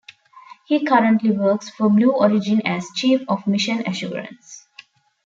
He currently works for Blue Origin as chief of mission assurance.